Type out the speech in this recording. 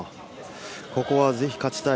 ここはぜひ勝ちたい。